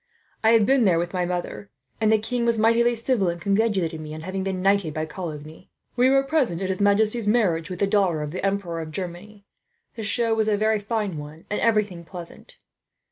I have been there with my mother, and the king was mightily civil, and congratulated me on having been knighted by Coligny. We were present at his majesty's marriage with the daughter of the Emperor of Germany. The show was a very fine one, and everything pleasant.